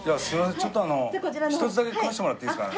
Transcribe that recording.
ちょっと１つだけ食わせてもらっていいですかね？